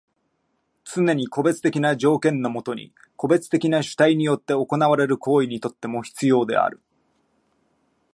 つねに個別的な条件のもとに個別的な主体によって行われる行為にとっても必要である。